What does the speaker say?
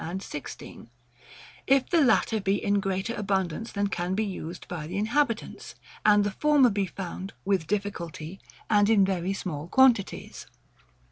and xxi.]; if the latter be in greater abundance than can be used by the inhabitants, and the former be found, with difficulty, and in very small quantities.